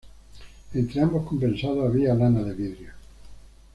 Entre ambos compensados había lana de vidrio.